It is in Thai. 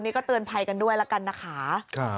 นี่ก็เตือนภัยกันด้วยแล้วกันนะคะ